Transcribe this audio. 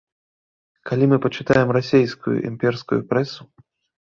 Калі мы пачытаем расійскую імперскую прэсу.